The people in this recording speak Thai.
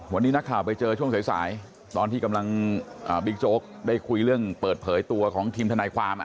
วันนี้นักข่าวไปเจอช่วงสายตอนที่กำลังบิ๊กโจ๊กได้คุยเรื่องเปิดเผยตัวของทีมทนายความ